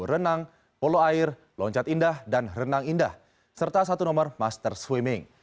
renang polo air loncat indah dan renang indah serta satu nomor master swimming